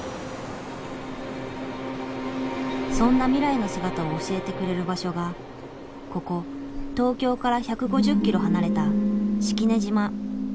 そんな未来の姿を教えてくれる場所がここ東京から１５０キロ離れた式根島。